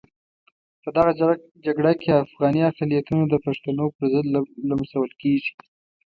په دغه جګړه کې افغاني اقلیتونه د پښتنو پرضد لمسول کېږي.